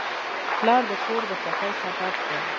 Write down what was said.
پلار د کور د خوښۍ سبب دی.